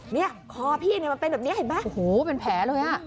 เนี่ยคอพี่เนี่ยมันเป็นแบบนี้เห็นไหมโอ้โหเป็นแผลเลยอ่ะ